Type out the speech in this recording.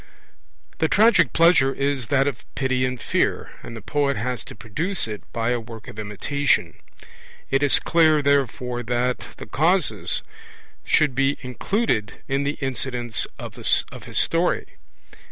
The tragic pleasure is that of pity and fear, and the poet has to produce it by a work of imitation; it is clear, therefore, that the causes should be included in the incidents of his story.